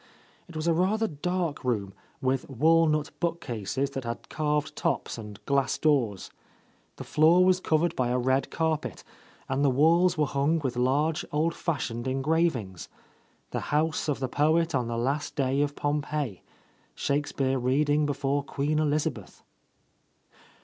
It was a rather dark room, with walnut book cases that had carved tops and glass doors. The floor was covered by a red carpet, and the walls were hung with large, old fashioned engravings; "The House of the Poet on the Last Day of Pompeii," "Shakespeare Reading before Queen Elizabeth."